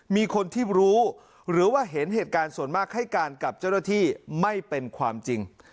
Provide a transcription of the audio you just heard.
มีคนที่รู้หรือว่าเห็นเหตุการณ์ส่วนมากให้การกับเจ้าหน้าที่ไม่เป็นความจริง